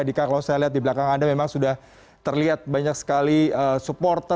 dika kalau saya lihat di belakang anda memang sudah terlihat banyak sekali supporter